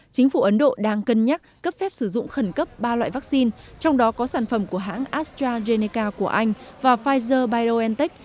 chính phủ ấn độ đang cân nhắc cấp phép sử dụng khẩn cấp ba loại vaccine trong đó có sản phẩm của hãng astrazeneca của anh và pfizer biontech